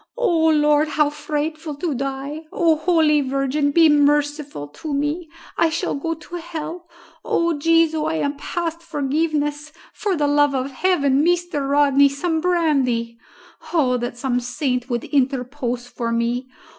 O Lord, how frightful to die! O holy Virgin, be merciful to me. I shall go to hell O Jesu, I am past forgiveness for the love of heaven, Mr. Rodney, some brandy! Oh that some saint would interpose for me!